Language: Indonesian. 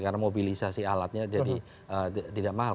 karena mobilisasi alatnya jadi tidak mahal